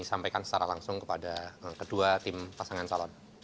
dan disampaikan secara langsung kepada kedua tim pasangan calon